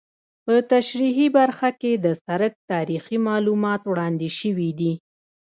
په تشریحي برخه کې د سرک تاریخي معلومات وړاندې شوي دي